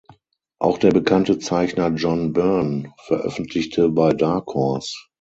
Auch der bekannte Zeichner John Byrne veröffentlichte bei Dark Horse.